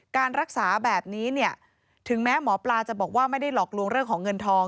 การรักษาแบบนี้เนี่ยถึงแม้หมอปลาจะบอกว่าไม่ได้หลอกลวงเรื่องของเงินทอง